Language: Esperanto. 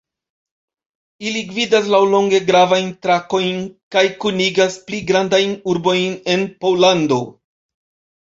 Ili gvidas laŭlonge gravajn trakojn kaj kunigas pli grandajn urbojn en Pollando.